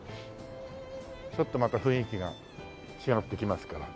ちょっとまた雰囲気が違ってきますから。